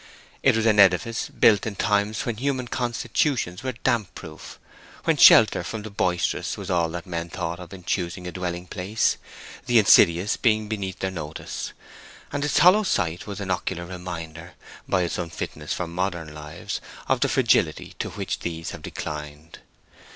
It was an edifice built in times when human constitutions were damp proof, when shelter from the boisterous was all that men thought of in choosing a dwelling place, the insidious being beneath their notice; and its hollow site was an ocular reminder, by its unfitness for modern lives, of the fragility to which these have declined.